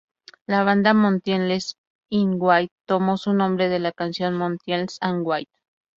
La banda Motionless In White tomó su nombre de la canción "Motionless and White".